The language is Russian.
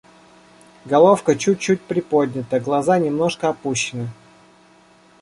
Головка чуть-чуть приподнята, глаза немножко опущены.